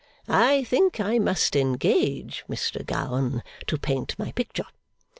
I think I must engage Mr Gowan to paint my picture.